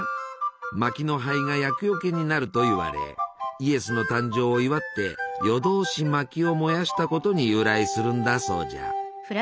まきの灰が厄よけになるといわれイエスの誕生を祝って夜通しまきを燃やしたことに由来するんだそうじゃ。